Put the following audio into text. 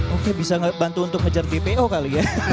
oke bisa bantu untuk ngejar dpo kali ya